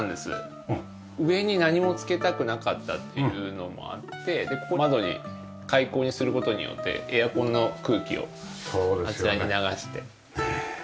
上に何もつけたくなかったっていうのもあって窓に開口にする事によってエアコンの空気をあちらに流して。